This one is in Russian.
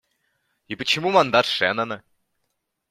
И почему мандат Шэннона?